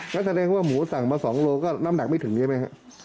แล้วแสดงว่าหมูสั่งมาสองโลก็น้ำหนักไม่ถึงอย่างนี้ไหมครับ